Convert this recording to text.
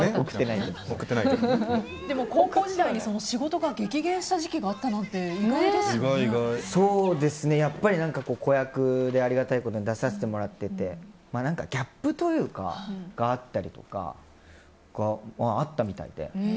でも高校時代に仕事が激減した時期があったなんてやっぱり、子役でありがたいことに出させてもらっていてギャップがあったみたいで。